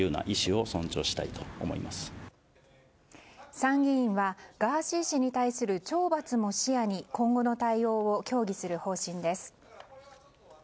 参議院はガーシー氏に対する懲罰も視野に今後の対応を協議する方針です。